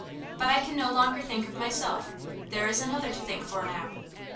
But I can no longer think of myself. There is another to think for now."